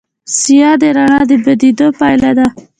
سایه د رڼا د بندېدو پایله ده.